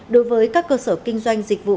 đối với các cơ sở kinh doanh dịch vụ